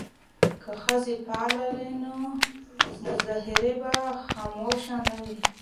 که ښځې فعالې وي نو مظاهرې به خاموشه نه وي.